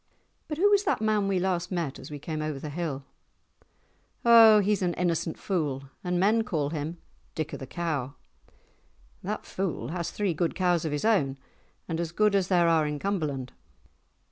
"But who was that man we last met as we came over the hill?" "Oh, he is an innocent fool, and men call him Dick o' the Cow." "That fool has three good cows of his own, as good as there are in Cumberland.